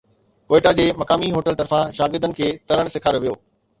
ڪوئيٽا جي مقامي هوٽل طرفان شاگردن کي ترڻ سيکاريو ويو